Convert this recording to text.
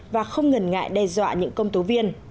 và không ngần ngại đe dọa những công tố viên